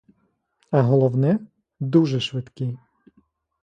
А головне — дуже швидкий.